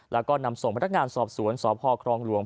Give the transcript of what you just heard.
แล้วก็นำส่งมาทักงานสอบสวนสอบพ่อครองลวง